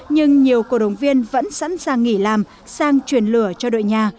nhưng nhiều cổ động viên vẫn sẵn sàng nghỉ làm sang chuyển lửa cho đội nhà